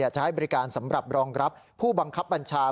จะให้บริการสำหรับรองรับผู้บังคับบัญชา